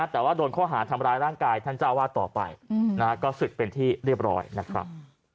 แต่ว่าโดนข้อหาทำร้ายร่างกายท่านเจ้าวาดต่อไปก็ศึกเป็นที่เรียบร้อยนะครับ